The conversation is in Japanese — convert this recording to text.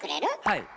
はい。